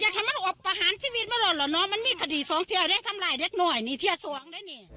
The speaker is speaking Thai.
ก็อยากทำรั้งนั้นอบประหารชีวิตมารอหรอเนอะมันมีคดีท์๒เท่าอันและทำร้ายเล็กหน่อยที่นี่ที่ที่อ่ะสวงซะนะเนี้ย